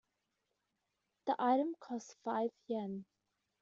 The item costs five Yen.